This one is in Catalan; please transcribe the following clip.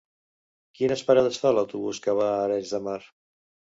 Quines parades fa l'autobús que va a Arenys de Mar?